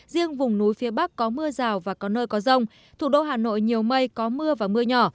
riêng vùng núi phía bắc có mưa rào và có nơi có rông thủ đô hà nội nhiều mây có mưa và mưa nhỏ